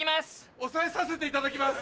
押さえさせていただきます！